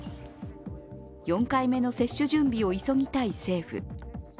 ４回目の接種準備を急ぎたい政府。